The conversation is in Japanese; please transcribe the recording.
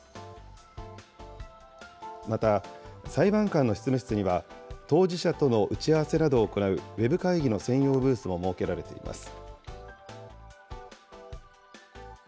また、裁判官の執務室には、当事者との打ち合わせなどを行う、ウェブ会議の専用ブースも設けられています。